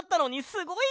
すごい！